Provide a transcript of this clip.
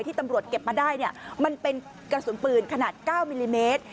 ตำรวจเก็บมาได้มันเป็นกระสุนปืนขนาด๙มิลลิเมตร